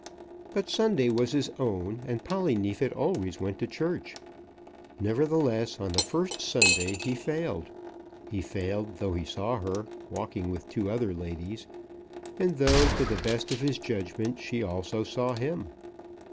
But Sunday was his own, and Polly Neefit always went to church. Nevertheless, on the first Sunday he failed. He failed, though he saw her, walking with two other ladies, and though, to the best of his judgment, she also saw him.